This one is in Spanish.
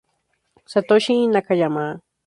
Satoshi Nakayama